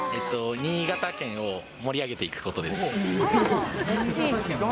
新潟県を盛り上げていくことです。